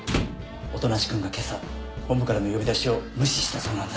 音無君がけさ本部からの呼び出しを無視したそうなんだ。